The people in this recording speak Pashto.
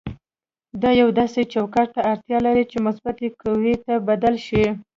دا یو داسې چوکاټ ته اړتیا لري چې مثبتې قوې ته بدل شي.